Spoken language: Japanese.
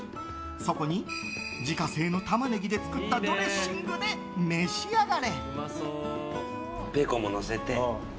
そこに自家製のタマネギで作ったドレッシングで召し上がれ。